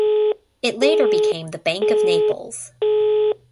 It later became the Bank of Naples.